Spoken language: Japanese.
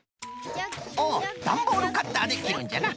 おっダンボールカッターできるんじゃな。